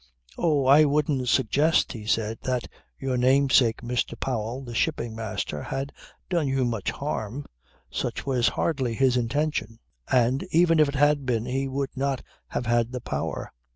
"Oh, I wouldn't suggest," he said, "that your namesake Mr. Powell, the Shipping Master, had done you much harm. Such was hardly his intention. And even if it had been he would not have had the power.